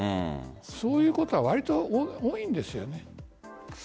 そういうことはわりと多いんですよね。